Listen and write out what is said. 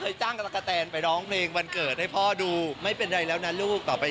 อย่างไรพี่ใจมีหลักฐานอะไรคะ